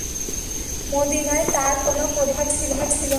মদীনায় তার তেমন কোন প্রভাব ছিল না।